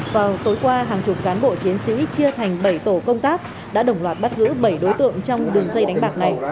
vào tối qua hàng chục cán bộ chiến sĩ chia thành bảy tổ công tác đã đồng loạt bắt giữ bảy đối tượng trong đường dây đánh bạc này